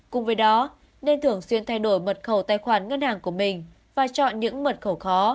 cùng với đó nên thường xuyên thay đổi mật khẩu tài khoản ngân hàng của mình và chọn những mật khẩu khó